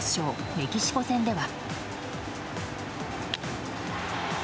メキシコ戦では。